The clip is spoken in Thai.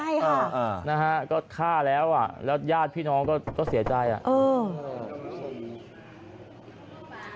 ใช่ค่ะอ่านะฮะก็ฆ่าแล้วอ่ะแล้วญาติพี่น้องก็เสียใจอ่ะเออ